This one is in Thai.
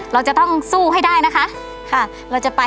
เราจะต้องสู้ให้ได้นะคะครับ